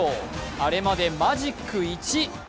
あれまでマジック１。